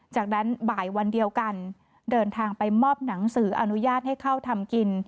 จากนั้นบ่ายวันเดียวกันเดินทางไปมอบหนังสืออนุญาตให้เข้าทำกิน